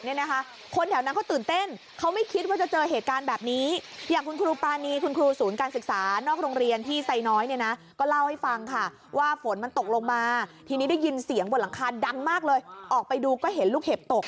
คนแถวนั้นเขาตื่นเต้นเขาไม่คิดว่าจะเจอเหตุการณ์แบบนี้อย่างคุณครูปรานีคุณครูศูนย์การศึกษานอกโรงเรียนที่ไซน้อยเนี่ยนะก็เล่าให้ฟังค่ะว่าฝนมันตกลงมาทีนี้ได้ยินเสียงบนหลังคาดังมากเลยออกไปดูก็เห็นลูกเห็บตก